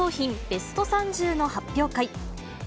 ベスト３０の発表会。